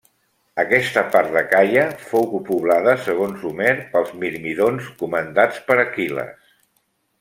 Aquesta part d'Acaia fou poblada, segons Homer, pels mirmídons, comandats per Aquil·les.